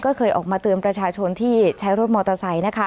ก็เคยออกมาเตือนประชาชนที่ใช้รถมอเตอร์ไซค์นะคะ